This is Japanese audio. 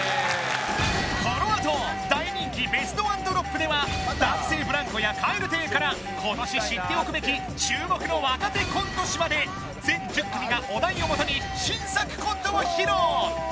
このあと大人気ベストワンドロップでは男性ブランコや蛙亭から今年知っておくべき注目の若手コント師まで全１０組がお題をもとに新作コントを披露